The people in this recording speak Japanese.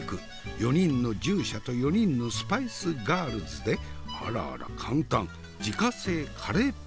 ４人の従者と４人のスパイスガールズであらあら簡単自家製カレーペースト完成。